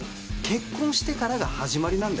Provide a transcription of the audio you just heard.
結婚してからが始まりなんだよ。